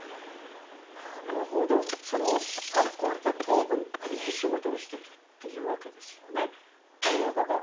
なるほどそのアルコールと糖分がいい仕事をしているっていうわけですよね。ということで！